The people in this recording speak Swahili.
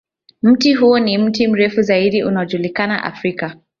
Mti huo ni mti mrefu zaidi unaojulikana Afrika.